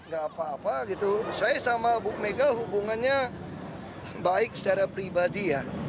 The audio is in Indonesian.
gak apa apa gitu saya sama bu mega hubungannya baik secara pribadi ya